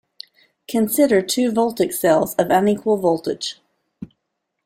Consider two voltaic cells of unequal voltage.